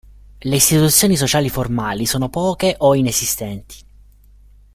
Le istituzioni sociali formali sono poche o inesistenti.